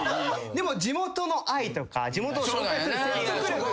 でも地元の愛とか地元を紹介する説得力が。